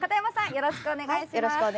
よろしくお願いします。